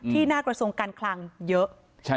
หน้ากระทรวงการคลังเยอะ